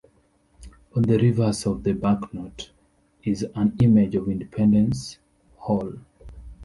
On the reverse of the banknote is an image of Independence Hall.